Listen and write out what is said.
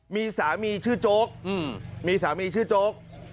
มีสามีชื่อโจ๊กมีสามีชื่อโจ๊ก